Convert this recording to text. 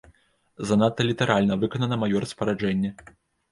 Занадта літаральна выканана маё распараджэнне.